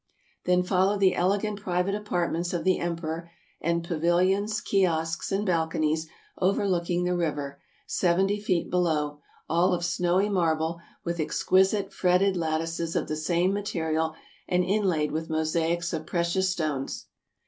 Then follow the elegant private apartments of the Em peror, and pavilions, kiosks, and balconies overlooking the river, seventy feet below, all of snowy marble, with ex quisite fretted lattices of the same material and inlaid with mosaics of precious stones.